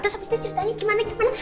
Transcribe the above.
terus abis itu ceritanya gimana gimana